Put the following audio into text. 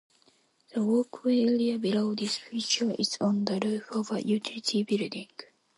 The walkway area below this feature is on the roof of a utility building.